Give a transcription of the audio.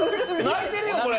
泣いてるよこれ！